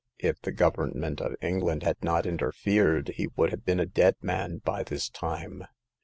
If the Government of England had not interfered he would have been a dead man by this time.